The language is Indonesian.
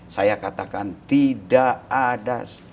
saya katakan tidak ada sama sekali